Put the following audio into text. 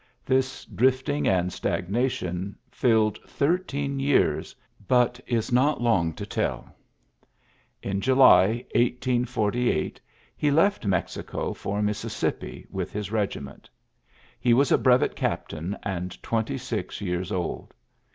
This drifting and stagnation filled thirteen years, but is not long to tell. In July, 1848, he left Mexico for Mis sissippi with his regiment. He was a ULYSSES S. GEAIfT 25 brevet captain, and twenty six years old.